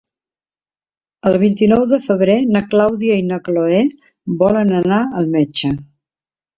El vint-i-nou de febrer na Clàudia i na Cloè volen anar al metge.